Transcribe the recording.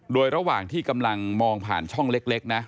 โดยระหว่างที่กำลังมองผ่านช่องเล็กนะ